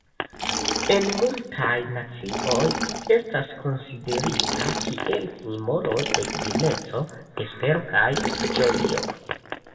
En multaj nacioj, estas konsiderita kiel simbolo de juneco, espero kaj ĝojo.